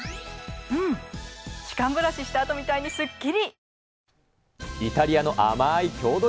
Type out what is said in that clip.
うん歯間ブラシした後みたいにすっきり！